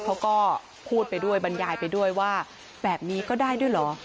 เขาก็พูดไปด้วยบรรยายไปด้วยว่าแบบนี้ก็ได้ด้วยเหรอ